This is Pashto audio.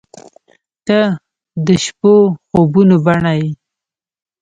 • ته د شپو خوبونو بڼه یې.